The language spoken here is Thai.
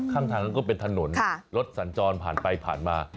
ข้างทางนั้นก็เป็นถนนรถสัญจรผ่านไปผ่านมา